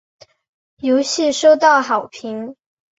游戏收到好评。